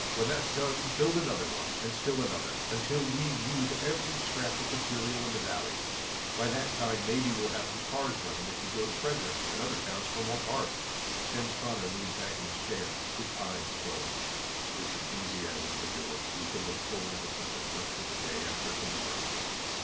When that's done, build another one, and still another, until we've used every scrap of material available in the valley. By that time maybe we'll have some cars running and can go to Frederick and other towns for more parts." Ken's father leaned back in his chair, his eyes closed. "If enthusiasm could do it, we could look forward to such a structure the day after tomorrow."